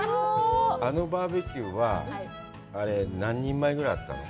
あのバーベキューは何人前ぐらいあったの？